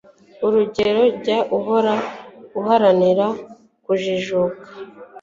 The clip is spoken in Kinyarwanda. Urugero Jya uhora uharanira kujijuka